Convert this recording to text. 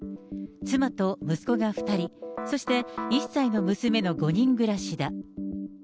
妻と息子が２人、そして、１歳の娘の５人暮らしだ。